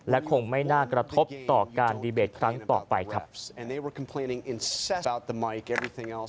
และคงไม่น่ากระทบต่อการดีเบตครั้งต่อไปครับ